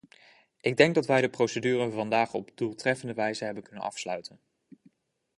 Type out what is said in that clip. Ik denk dat wij de procedure vandaag op doeltreffende wijze hebben kunnen afsluiten.